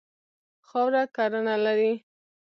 خاوره کرهڼه لري.